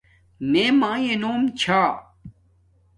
مݺ مݳئݺ نݸم ـــــ چھݳ.